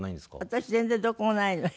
私全然どこもないの。